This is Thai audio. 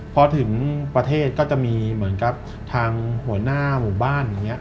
พอถึงประเทศก็จะมีเหมือนกับทางหัวหน้าหมู่บ้านอย่างนี้